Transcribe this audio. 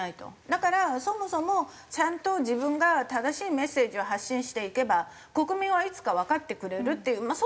だからそもそもちゃんと自分が正しいメッセージを発信していけば国民はいつかわかってくれるっていうまあ